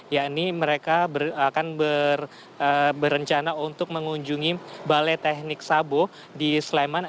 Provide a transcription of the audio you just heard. yakni mereka akan berencana untuk mengunjungi balai teknik sabo di sleman